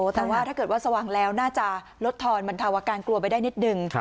แต่ว่าถ้าเกิดว่าสว่างแล้วน่าจะลดทอนบรรเทาอาการกลัวไปได้นิดนึง